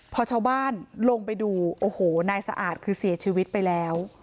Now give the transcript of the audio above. พอชาวบ้านลงไปดูโอ้โหนายสะอาดคือเสียชีวิตไปแล้ว